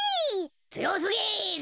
つよすぎる。